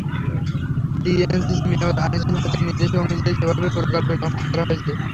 DNCC mayor Anisul হকের নির্দেশ অনুযায়ী সেভাবেই প্রকল্পের নকশা করা হয়েছে।